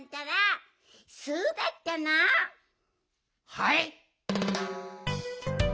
はい？